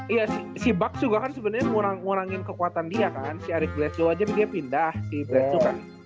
iya si bucks juga kan sebenernya ngurangin kekuatan dia kan si arief blesu aja dia pindah si blesu kan